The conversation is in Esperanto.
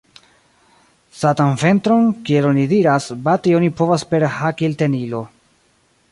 Satan ventron, kiel oni diras, bati oni povas per hakiltenilo.